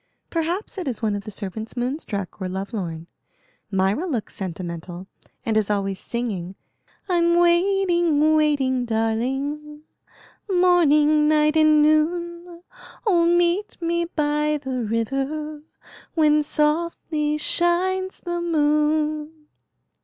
"Perhaps it is one of the servants moon struck or love lorn. Myra looks sentimental, and is always singing: "I'm waiting, waiting, darling, Morning, night, and noon; Oh, meet me by the river When softly shines the moon."